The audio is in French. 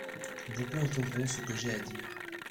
Beaucoup entendront ce que j’ai à dire.